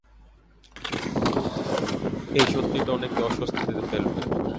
এই সত্যিটা অনেককে অস্বস্তিতে ফেলবে।